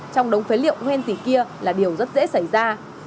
trong đống phế liệu nguyên gì kia là điều rất dễ xảy ra